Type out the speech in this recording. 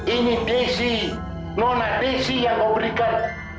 ini desi mona desi yang kau berikan